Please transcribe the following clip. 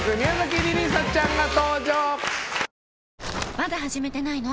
まだ始めてないの？